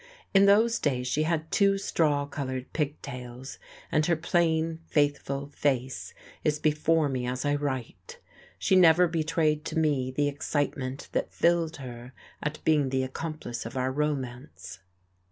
In those days she had two straw coloured pigtails, and her plain, faithful face is before me as I write. She never betrayed to me the excitement that filled her at being the accomplice of our romance.